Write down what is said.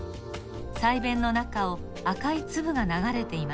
鰓弁の中を赤いつぶがながれています。